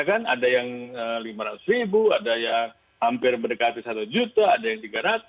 ada yang lima ratus ribu ada yang hampir mendekati satu juta ada yang tiga ratus